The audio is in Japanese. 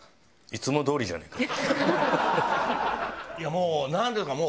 もうなんていうんですか？